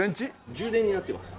充電になってます。